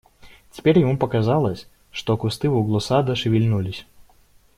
Теперь ему показалось, что кусты в углу сада шевельнулись.